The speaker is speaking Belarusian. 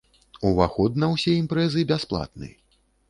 Уваход на ўсе імпрэзы бясплатны.